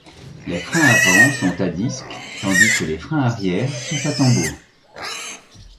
Les freins avant sont à disques tandis que les freins arrière sont à tambours.